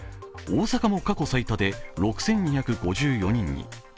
大阪も過去最多で６２５４人に。